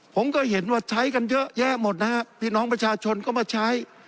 ผมก็เห็นว่าใช้กันเยอะแยะหมดนะฮะพี่น้องประชาชนก็มาใช้